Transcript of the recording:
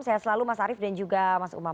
dan selalu mas arief dan juga mas umam